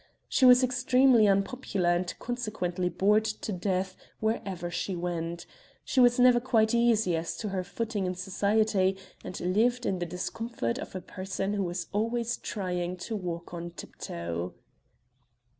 She was extremely unpopular and consequently bored to death wherever she went; she was never quite easy as to her footing in society and lived in the discomfort of a person who is always trying to walk on tiptoe.